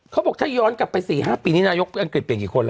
เขาบอกถ้าย้อนกลับไป๔๕ปีนี้นายกอังกฤษเปลี่ยนกี่คนแล้ว